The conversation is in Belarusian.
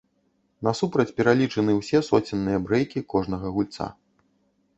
Насупраць пералічаны ўсе соценныя брэйкі кожнага гульца.